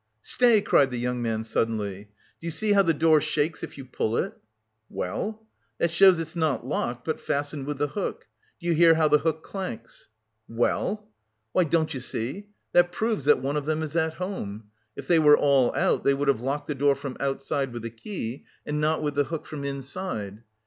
"Stay!" cried the young man suddenly. "Do you see how the door shakes if you pull it?" "Well?" "That shows it's not locked, but fastened with the hook! Do you hear how the hook clanks?" "Well?" "Why, don't you see? That proves that one of them is at home. If they were all out, they would have locked the door from the outside with the key and not with the hook from inside.